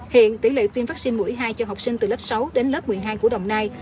hiện tỷ lệ tiêm vaccine mũi hai cho học sinh từ lớp sáu đến lớp một mươi hai của đồng nai